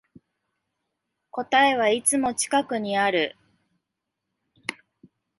答えはいつも近くにある